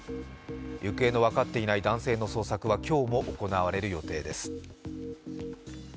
行方の分かっていない男性の捜索は今日も行われる予定です。